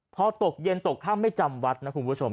พอตกเย็นตกข้ามไม่จำวัดนะคุณผู้ชม